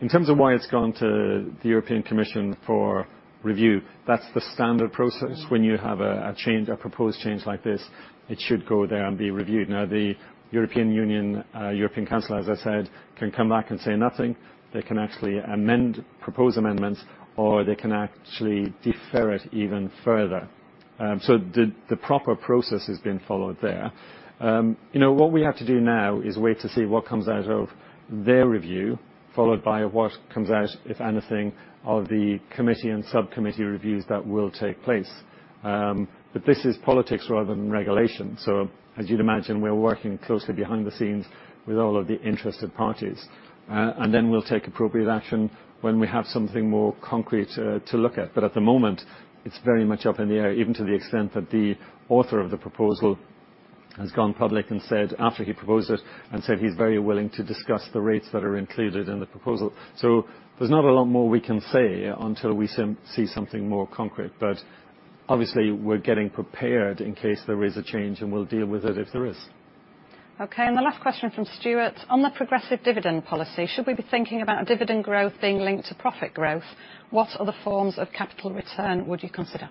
In terms of why it's gone to the European Commission for review, that's the standard process when you have a proposed change like this. It should go there and be reviewed. Now, the European Union, European Council, as I said, can come back and say nothing. They can actually propose amendments, or they can actually defer it even further. The proper process is being followed there. You know, what we have to do now is wait to see what comes out of their review, followed by what comes out, if anything, of the committee and subcommittee reviews that will take place. This is politics rather than regulation, so as you'd imagine, we're working closely behind the scenes with all of the interested parties. We'll take appropriate action when we have something more concrete to look at. At the moment, it's very much up in the air, even to the extent that the author of the proposal has gone public and said, after he proposed it, he's very willing to discuss the rates that are included in the proposal. There's not a lot more we can say until we see something more concrete. Obviously we're getting prepared in case there is a change, and we'll deal with it if there is. Okay. The last question from Stuart: On the progressive dividend policy, should we be thinking about dividend growth being linked to profit growth? What other forms of capital return would you consider?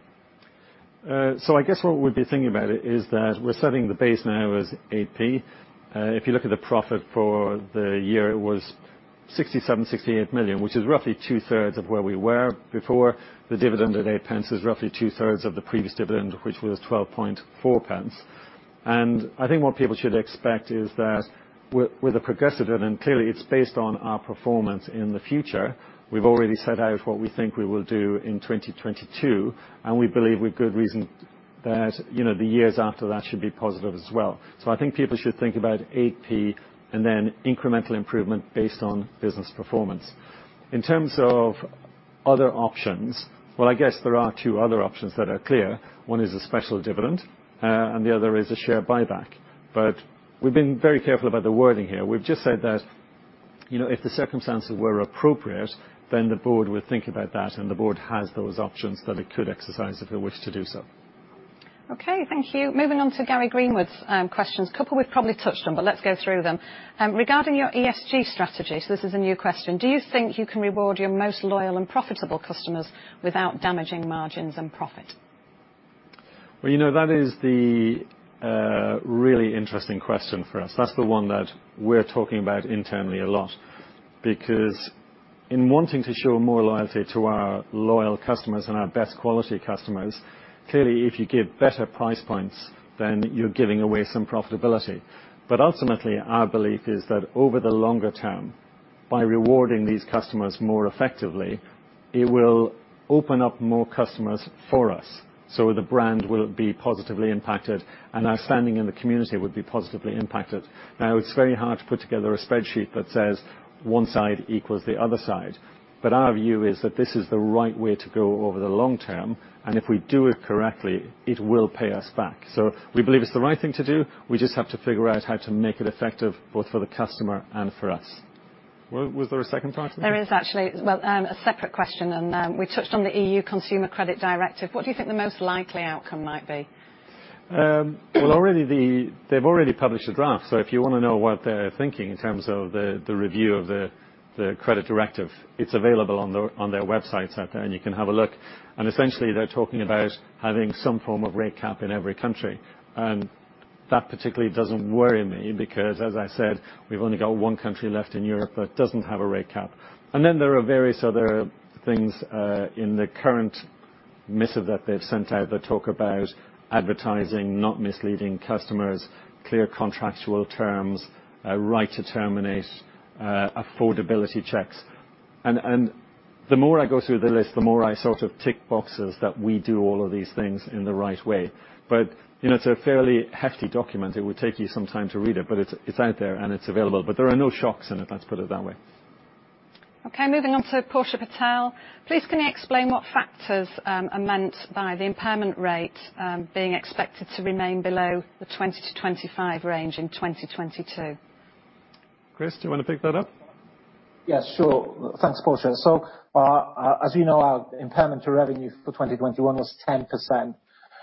I guess what we'd be thinking about it is that we're setting the base now as AP. If you look at the profit for the year, it was 67 to 68 million, which is roughly two-thirds of where we were before. The dividend of 0.08 is roughly two-thirds of the previous dividend which was 0.124. I think what people should expect is that with a progressive dividend, clearly it's based on our performance in the future. We've already set out what we think we will do in 2022, and we believe with good reason that, you know, the years after that should be positive as well. I think people should think about AP and then incremental improvement based on business performance. In terms of other options, well I guess there are two other options that are clear. One is a special dividend, and the other is a share buyback. We've been very careful about the wording here. We've just said that, you know, if the circumstances were appropriate, then the board would think about that, and the board has those options that it could exercise if it wished to do so. Okay, thank you. Moving on to Gary Greenwood's questions. Couple we've probably touched on, but let's go through them. Regarding your ESG strategy, so this is a new question, do you think you can reward your most loyal and profitable customers without damaging margins and profit? Well, you know, that is the really interesting question for us. That's the one that we're talking about internally a lot. Because in wanting to show more loyalty to our loyal customers and our best quality customers, clearly if you give better price points, then you're giving away some profitability. But ultimately, our belief is that over the longer term, by rewarding these customers more effectively, it will open up more customers for us, so the brand will be positively impacted and our standing in the community would be positively impacted. Now, it's very hard to put together a spreadsheet that says one side equals the other side, but our view is that this is the right way to go over the long term, and if we do it correctly, it will pay us back. We believe it's the right thing to do. We just have to figure out how to make it effective both for the customer and for us. Was there a second part to that? There is actually. Well, a separate question, and we touched on the EU Consumer Credit Directive. What do you think the most likely outcome might be? Well, they've already published a draft, so if you wanna know what they're thinking in terms of the review of the Credit Directive, it's available on their websites out there, and you can have a look. Essentially they're talking about having some form of rate cap in every country. That particularly doesn't worry me because, as I said, we've only got one country left in Europe that doesn't have a rate cap. Then there are various other things in the current missive that they've sent out that talk about advertising, not misleading customers, clear contractual terms, a right to terminate, affordability checks. The more I go through the list, the more I sort of tick boxes that we do all of these things in the right way. You know, it's a fairly hefty document. It would take you some time to read it, but it's out there and it's available. There are no shocks in it, let's put it that way. Okay, moving on to Portia Patel. Please can you explain what factors are meant by the impairment rate being expected to remain below the 20%-25% range in 2022? Chris, do you wanna pick that up? Yeah, sure. Thanks, Portia. As you know, our impairment to revenue for 2021 was 10%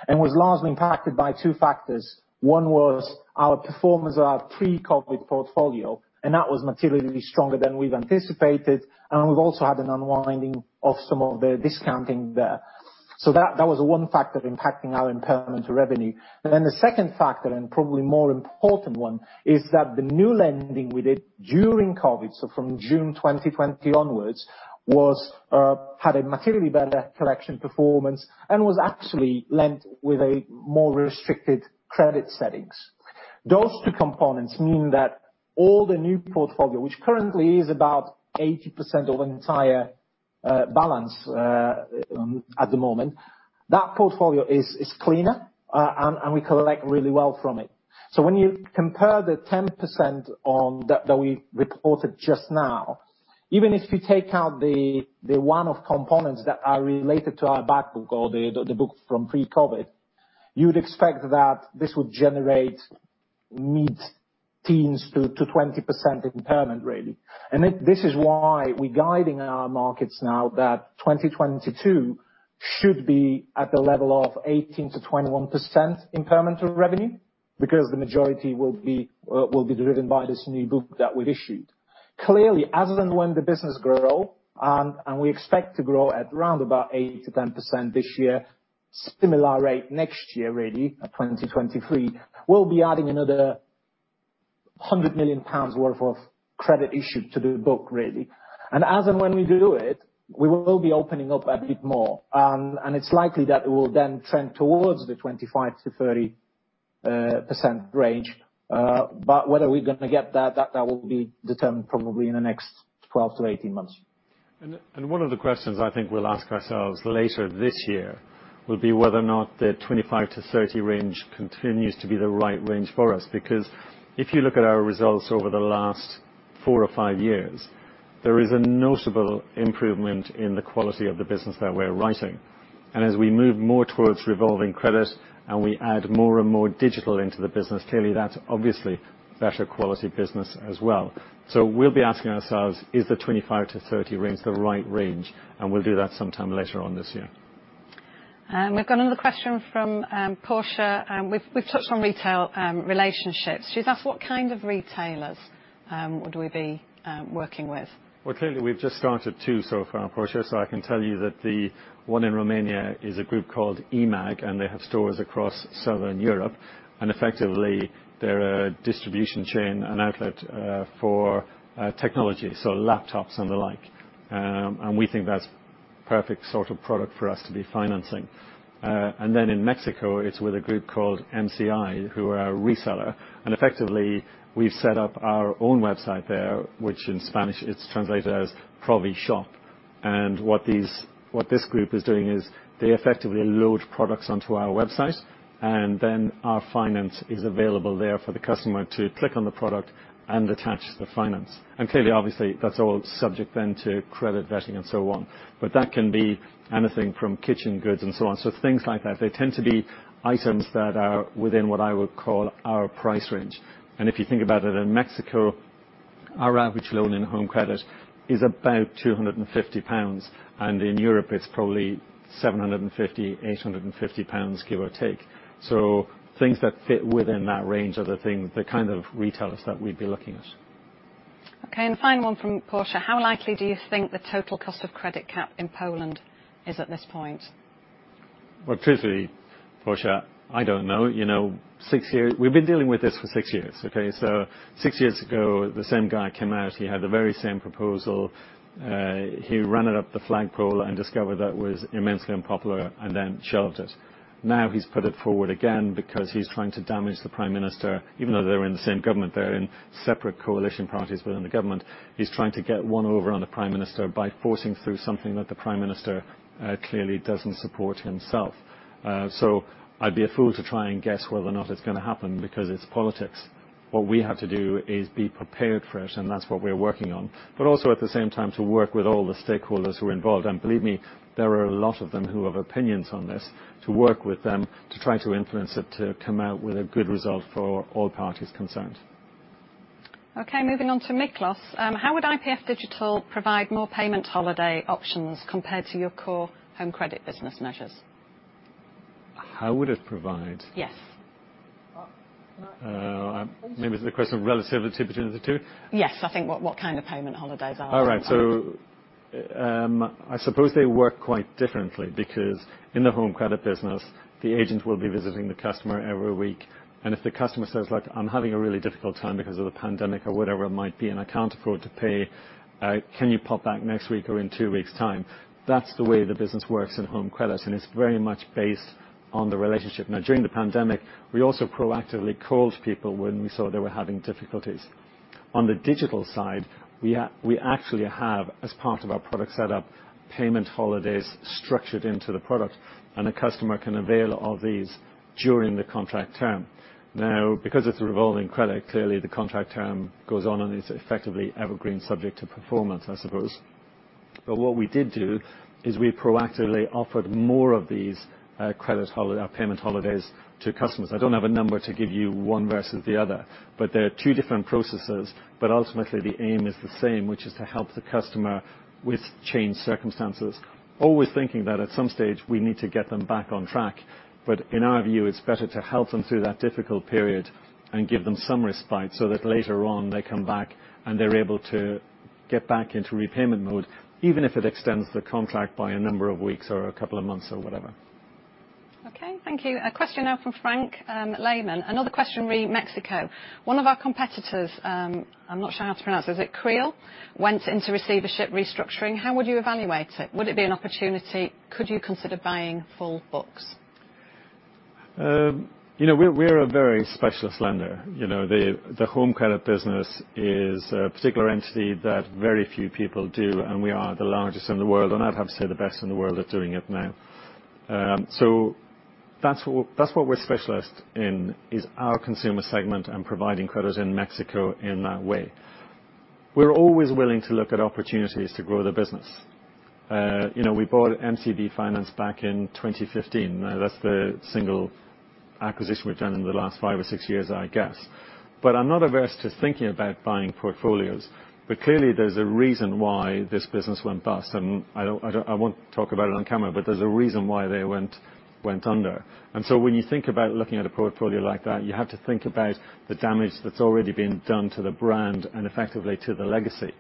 and was largely impacted by two factors. One was our performance of our pre-COVID portfolio, and that was materially stronger than we'd anticipated, and we've also had an unwinding of some of the discounting there. That was the one factor impacting our impairment to revenue. The second factor, and probably more important one, is that the new lending we did during COVID, so from June 2020 onwards, had a materially better collection performance and was actually lent with a more restricted credit settings. Those two components mean that all the new portfolio, which currently is about 80% of the entire balance at the moment, that portfolio is cleaner and we collect really well from it. When you compare the 10% on that we reported just now, even if you take out the one-off components that are related to our back book or the book from pre-COVID, you would expect that this would generate mid-teens to 20% impairment to revenue, really. This is why we're guiding our markets now that 2022 should be at the level of 18% to 21% in permanent revenue, because the majority will be driven by this new book that we've issued. Clearly, as and when the business grow and we expect to grow at around about 8% to 10% this year, similar rate next year really, 2023, we'll be adding another 100 million pounds worth of credit issued to the book really. As and when we do it, we will be opening up a bit more. It's likely that it will then trend towards the 25% to 30% range. But whether we're gonna get that will be determined probably in the next 12 to 18 months. One of the questions I think we'll ask ourselves later this year will be whether or not the 25% to 30% range continues to be the right range for us. Because if you look at our results over the last four or five years, there is a noticeable improvement in the quality of the business that we're writing. As we move more towards revolving credit, and we add more and more digital into the business, clearly that's obviously better quality business as well. We'll be asking ourselves, is the 25% to 30% range the right range? We'll do that sometime later on this year. We've got another question from Portia. We've touched on retail relationships. She's asked, what kind of retailers would we be working with? Well, clearly, we've just started two so far, Portia, so I can tell you that the one in Romania is a group called eMAG, and they have stores across Southern Europe. Effectively, they're a distribution chain and outlet for technology, so laptops and the like. We think that's perfect sort of product for us to be financing. In Mexico, it's with a group called NCI, who are our reseller. Effectively, we've set up our own website there, which in Spanish it's translated as Provi Shop. What this group is doing is they effectively load products onto our website, and then our finance is available there for the customer to click on the product and attach the finance. Clearly, obviously, that's all subject then to credit vetting and so on. That can be anything from kitchen goods and so on. Things like that. They tend to be items that are within what I would call our price range. If you think about it, in Mexico, our average loan in home credit is about 250 pounds, and in Europe it's probably 750 to 850, give or take. Things that fit within that range are the things, the kind of retailers that we'd be looking at. Okay, final one from Portia. How likely do you think the total cost of credit cap in Poland is at this point? Well, truthfully, Portia, I don't know. You know, six years. We've been dealing with this for six years, okay? Six years ago, the same guy came out, he had the very same proposal. He ran it up the flagpole and discovered that was immensely unpopular and then shelved it. Now he's put it forward again because he's trying to damage the Prime Minister. Even though they're in the same government, they're in separate coalition parties within the government. He's trying to get one over on the Prime Minister by forcing through something that the Prime Minister clearly doesn't support himself. I'd be a fool to try and guess whether or not it's gonna happen because it's politics. What we have to do is be prepared for it, and that's what we're working on. Also at the same time to work with all the stakeholders who are involved, and believe me, there are a lot of them who have opinions on this, to work with them to try to influence it to come out with a good result for all parties concerned. Okay, moving on to Miklos. How would IPF Digital provide more payment holiday options compared to your core home credit business measures? How would it provide? Yes. Uh, Maybe it's a question of relativity between the two. Yes. I think what kind of payment holidays are All right. I suppose they work quite differently because in the home credit business, the agent will be visiting the customer every week, and if the customer says, like, "I'm having a really difficult time because of the pandemic or whatever it might be, and I can't afford to pay, can you pop back next week or in two weeks' time?" That's the way the business works in home credit, and it's very much based on the relationship. Now, during the pandemic, we also proactively called people when we saw they were having difficulties. On the digital side, we actually have, as part of our product setup, payment holidays structured into the product, and a customer can avail of these during the contract term. Now, because it's a revolving credit, clearly the contract term goes on and it's effectively evergreen subject to performance, I suppose. What we did do is we proactively offered more of these payment holidays to customers. I don't have a number to give you one versus the other, but they are two different processes. Ultimately the aim is the same, which is to help the customer with changed circumstances, always thinking that at some stage we need to get them back on track. In our view, it's better to help them through that difficult period and give them some respite so that later on they come back and they're able to get back into repayment mode, even if it extends the contract by a number of weeks or a couple of months or whatever. Okay, thank you. A question now from Frank Schermers. Another question re Mexico. One of our competitors, I'm not sure how to pronounce this, is it Crédito Real, went into receivership restructuring. How would you evaluate it? Would it be an opportunity? Could you consider buying full books? You know, we're a very specialist lender. You know, the home credit business is a particular entity that very few people do, and we are the largest in the world, and I'd have to say the best in the world at doing it now. So that's what we're specialist in, is our consumer segment and providing credits in Mexico in that way. We're always willing to look at opportunities to grow the business. You know, we bought MCB Finance back in 2015. Now, that's the single acquisition we've done in the last five or six years, I guess. But I'm not averse to thinking about buying portfolios. But clearly there's a reason why this business went bust, and I don't I won't talk about it on camera, but there's a reason why they went under. When you think about looking at a portfolio like that, you have to think about the damage that's already been done to the brand and effectively to the legacy,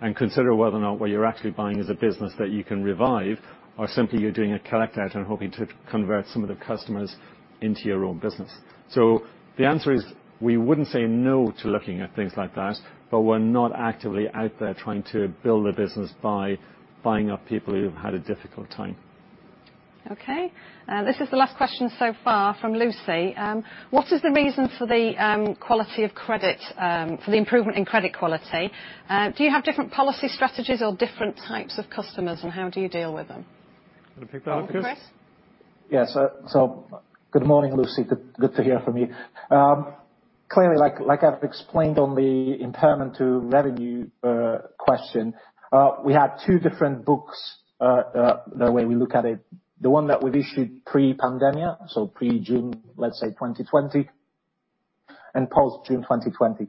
and consider whether or not what you're actually buying is a business that you can revive or simply you're doing a collect out and hoping to convert some of the customers into your own business. The answer is, we wouldn't say no to looking at things like that, but we're not actively out there trying to build a business by buying up people who have had a difficult time. Okay. This is the last question so far from Lucy. What is the reason for the quality of credit for the improvement in credit quality? Do you have different policy strategies or different types of customers, and how do you deal with them? Wanna pick that up, Chris? Chris. Yes. Good morning, Lucy. Good to hear from you. Clearly, like, I've explained on the impairment to revenue question, we had two different books, the way we look at it. The one that we've issued pre-pandemic, so pre-June, let's say, 2020, and post-June 2020.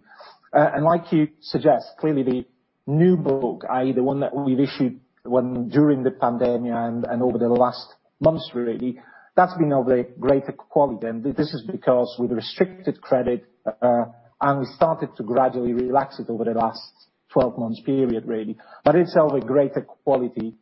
Like you suggest, clearly the new book, i.e. the one that we've issued during the pandemic and over the last months really, that's been of a greater quality. This is because we restricted credit, and we started to gradually relax it over the last 12 months period, really. It's of a greater quality,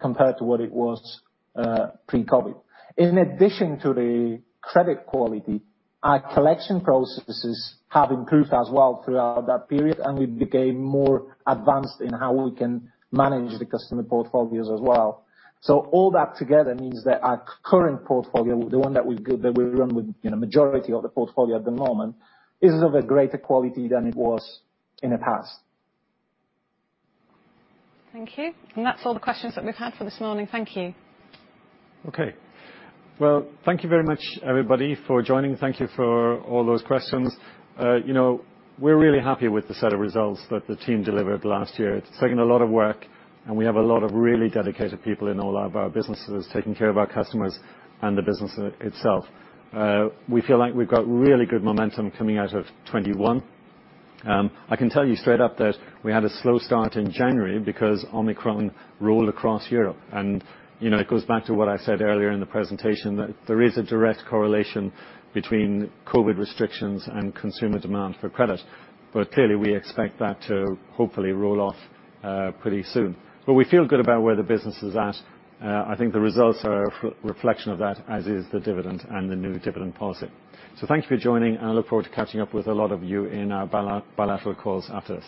compared to what it was, pre-COVID. In addition to the credit quality, our collection processes have improved as well throughout that period, and we became more advanced in how we can manage the customer portfolios as well. So all that together means that our current portfolio, the one that we build, that we run with, you know, majority of the portfolio at the moment, is of a greater quality than it was in the past. Thank you. That's all the questions that we've had for this morning. Thank you. Okay. Well, thank you very much, everybody, for joining. Thank you for all those questions. You know, we're really happy with the set of results that the team delivered last year. It's taken a lot of work, and we have a lot of really dedicated people in all of our businesses taking care of our customers and the business itself. We feel like we've got really good momentum coming out of 2021. I can tell you straight up that we had a slow start in January because Omicron rolled across Europe. You know, it goes back to what I said earlier in the presentation, that there is a direct correlation between COVID restrictions and consumer demand for credit. Clearly, we expect that to hopefully roll off pretty soon. We feel good about where the business is at. I think the results are a reflection of that, as is the dividend and the new dividend policy. Thank you for joining, and I look forward to catching up with a lot of you in our bilateral calls after this.